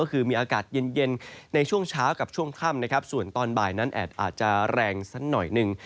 ก็คือมีอากาศเย็นในช่วงเช้ากับช่วงค่ำนะครับส่วนตอนบ่ายนั้นแอดอาจจะแรงสักหน่อยหนึ่ง